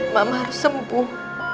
mama harus sembuh